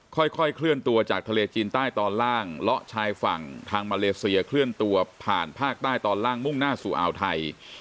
ค่อยเคลื่อนตัวจากทะเลจีนใต้ตอนล่างเลาะชายฝั่งทางมาเลเซียเคลื่อนตัวผ่านภาคใต้ตอนล่างมุ่งหน้าสู่อ่าวไทย